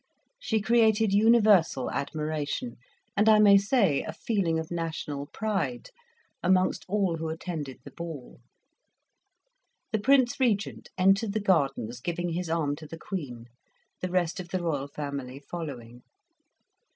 She created universal admiration, and I may say a feeling of national pride, amongst all who attended the ball. The Prince Regent entered the gardens giving his arm to the Queen, the rest of the royal family following.